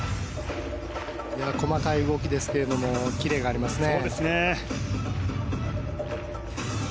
細かい動きですけどキレがありますね。